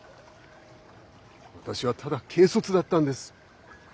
私はただ軽率だったんです。